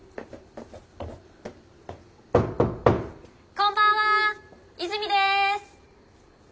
こんばんは泉です。